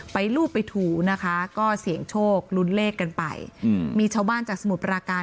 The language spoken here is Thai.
รูปไปถูนะคะก็เสี่ยงโชคลุ้นเลขกันไปอืมมีชาวบ้านจากสมุทรปราการ